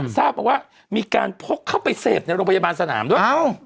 ทราบมาว่ามีการพกเข้าไปเสพในโรงพยาบาลสนามด้วย